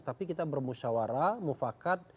tapi kita bermusyawara mufakat